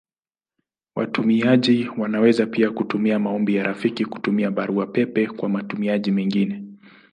Watumiaji wanaweza pia kutuma maombi ya rafiki kutumia Barua pepe kwa watumiaji wengine.